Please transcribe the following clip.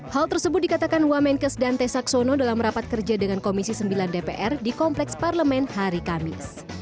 hal tersebut dikatakan wamenkes dante saxono dalam rapat kerja dengan komisi sembilan dpr di kompleks parlemen hari kamis